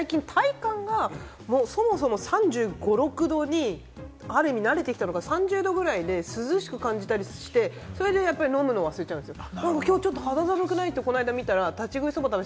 あると思うんですけれども、最近、体感が３５３６度にある意味慣れてきたのか、３０度くらいで涼しく感じたりして、それで飲むのを忘れちゃうんですよ。